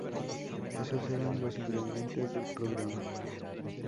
Esos eran los ingredientes del programa.